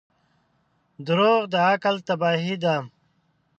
• دروغ د عقل تباهي ده.